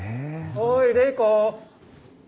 ・おい玲子。